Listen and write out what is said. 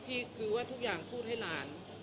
พี่คือว่าทุกอย่างต้องสู้ดู้ให้หลาน